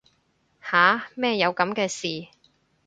吓乜有噉嘅事